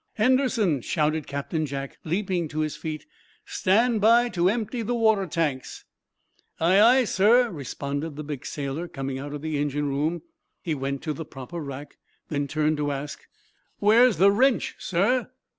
"Henderson!" shouted Captain Jack, leaping to his feet, "stand by to empty the water tanks!" "Aye, aye, sir!" responded the big sailor, coming out of the engine room. He went to the proper rack, then turned to ask: "Where's the wrench, sir?"